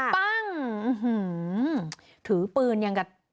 ปั้งถือปืนยังกับ